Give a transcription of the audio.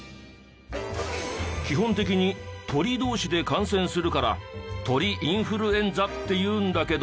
基本的に鳥同士で感染するから鳥インフルエンザっていうんだけど。